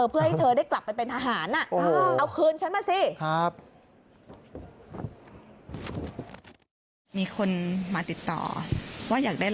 เพื่อให้เธอได้กลับไปเป็นทหาร